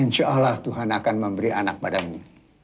insya allah tuhan akan memberi anak padamu